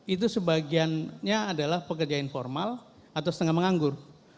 itu sebagiannya adalah pekerja informal atau setengah menganggur